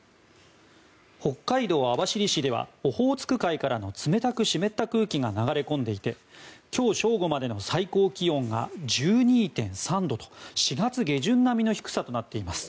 北海道網走市ではオホーツク海からの冷たく湿った空気が流れ込んでいて今日正午までの最高気温が１２．３度と４月下旬並みの低さとなっています。